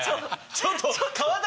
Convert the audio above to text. ちょっと。